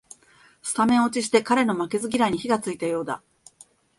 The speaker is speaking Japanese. スタメン落ちして彼の負けず嫌いに火がついたようだ